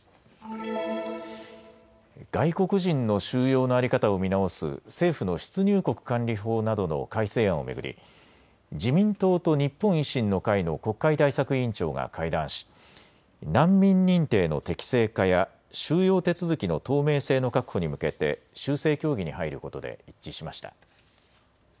外国人の収容の在り方を見直す政府の出入国管理法などの改正案を巡り自民党と日本維新の会の国会対策委員長が会談し難民認定の適正化や収容手続きの透明性の確保に向けて修正協議に入ることで一致しました。